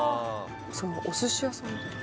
お寿司屋さんみたい